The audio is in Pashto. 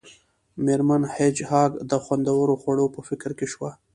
میرمن هیج هاګ د خوندورو خوړو په فکر کې شوه